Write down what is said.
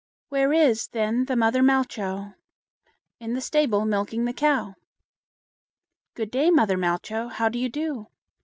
"Where is, then, the mother Malcho?" "In the stable, milking the cow." "Good day, mother Malcho. How do you do?"